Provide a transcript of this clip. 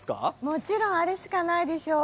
もちろんあれしかないでしょう。